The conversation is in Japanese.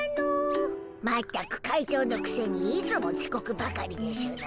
全く会長のくせにいつもちこくばかりでしゅな。